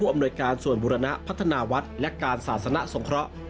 อำนวยการส่วนบุรณะพัฒนาวัดและการศาสนสงเคราะห์